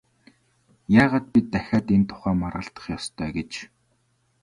Яагаад бид дахиад энэ тухай маргалдах ёстой гэж?